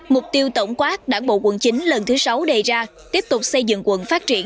mục tiêu tổng quát đảng bộ quận chín lần thứ sáu đề ra tiếp tục xây dựng quận phát triển